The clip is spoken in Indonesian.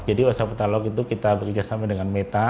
jadi whatsapp katalog itu kita bekerjasama dengan meta